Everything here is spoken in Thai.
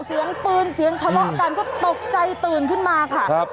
เสียงปืนเสียงทะเลาะกันก็ตกใจตื่นขึ้นมาค่ะครับ